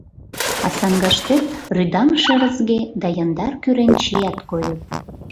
А саҥгаштет рӱдаҥше-рызге да яндар-кӱрен чият койыт...